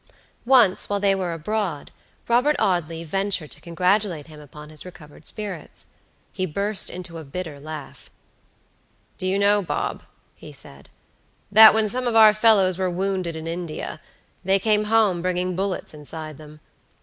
Once, while they were abroad, Robert Audley ventured to congratulate him upon his recovered spirits. He burst into a bitter laugh. "Do you know, Bob," he said, "that when some of our fellows were wounded in India, they came home, bringing bullets inside them.